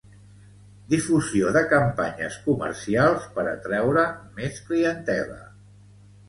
Difusió de campanyes comercials per atraure més clientela